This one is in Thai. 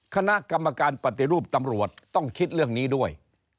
คณะกรรมการปฏิรูปตำรวจต้องคิดเรื่องนี้ด้วย